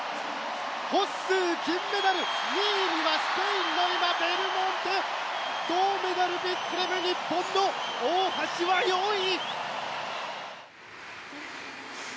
ホッスー、金メダル２位はスペインのベルモンテ銅メダル、ピックレム日本の大橋は４位。